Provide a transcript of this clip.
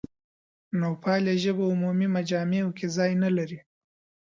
نوپالي ژبه عمومي مجامعو کې ځای نه لري.